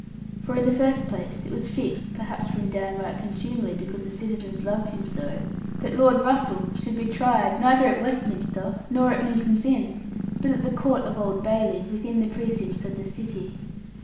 For in the first place it was fixed (perhaps from down right contumely, because the citizens loved him so) that Lord Russell should be tried neither at Westminster nor at Lincoln's Inn, but at the Court of Old Bailey, within the precincts of the city.